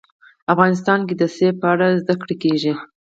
افغانستان کې د منی په اړه زده کړه کېږي.